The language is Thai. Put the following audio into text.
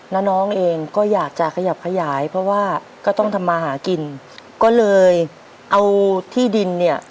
น้องเองก็อยากจะขยับขยายเพราะว่าก็ต้องทำมาหากินก็เลยเอาที่ดินเนี่ย